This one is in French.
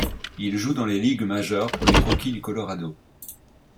Il joue dans les Ligues majeures pour les Rockies du Colorado.